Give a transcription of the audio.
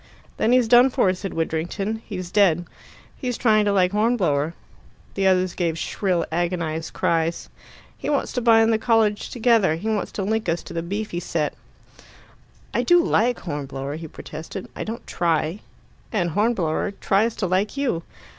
"Then he's done for," said Widdrington. "He's dead." "He's trying to like Hornblower." The others gave shrill agonized cries. "He wants to bind the college together. He wants to link us to the beefy set." "I do like Hornblower," he protested. "I don't try." "And Hornblower tries to like you."